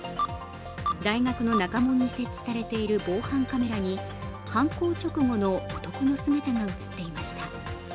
大学の中門に設置されている防犯カメラに、犯行直後の男の姿が映っていました。